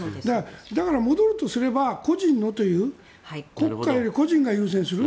だから、戻るとすれば個人のという国家より個人が優先する。